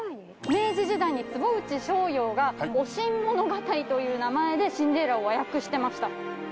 明治時代に坪内逍遥が『おしん物語』という名前で『シンデレラ』を和訳してました。